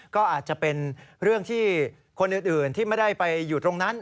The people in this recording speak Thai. ก็อาจจะเป็นเรื่องที่คนอื่นที่ไม่ได้ไปอยู่ตรงนั้น